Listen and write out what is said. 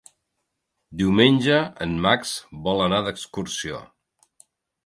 Diumenge en Max vol anar d'excursió.